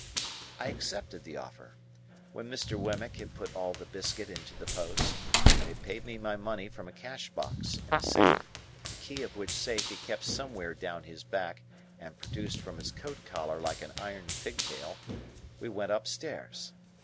I accepted the offer. When Mr. Wemmick had put all the biscuit into the post, and had paid me my money from a cash box in a safe, the key of which safe he kept somewhere down his back and produced from his coat collar like an iron pigtail, we went upstairs.